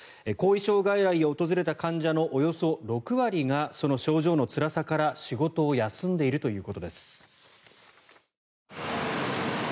後遺症外来を訪れた患者のおよそ６割がその症状のつらさから仕事を休んでいるということです。